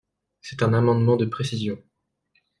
C’est un amendement de précision.